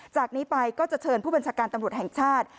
จากนี้ไปก็จะเชิญผู้บัญชาการตำรวจแห่งชาติ